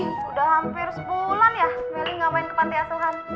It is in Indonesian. sudah hampir sebulan ya melly gak main ke pantai asuhan